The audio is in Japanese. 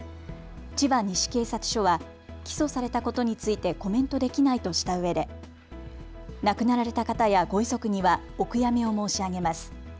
千葉西警察署は起訴されたことについてコメントできないとしたうえで亡くなられた方やご遺族にはお悔やみを申し上げます。